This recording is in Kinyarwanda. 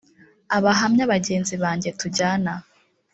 abahamya bagenzi banjye tujyana